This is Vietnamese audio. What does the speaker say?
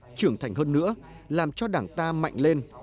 động viên trưởng thành hơn nữa làm cho đảng ta mạnh lên